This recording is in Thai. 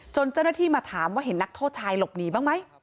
เจ้าหน้าที่มาถามว่าเห็นนักโทษชายหลบหนีบ้างไหม